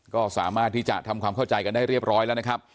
ก็สามารถที่จะทำความเข้าใจกันได้เรียบร้อยแล้วนะครับ